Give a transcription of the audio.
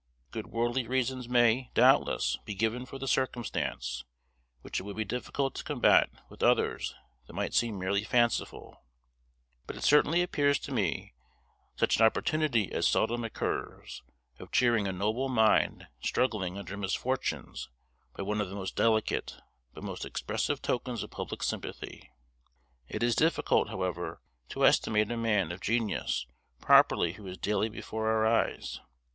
Good worldly reasons may, doubtless, be given for the circumstance, which it would be difficult to combat with others that might seem merely fanciful; but it certainly appears to me such an opportunity as seldom occurs, of cheering a noble mind struggling under misfortunes by one of the most delicate, but most expressive tokens of public sympathy. It is difficult, however, to estimate a man of genius properly who is daily before our eyes.